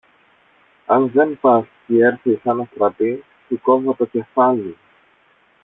Αν δεν πας κι έρθεις σαν αστραπή, σου κόβω το κεφάλι!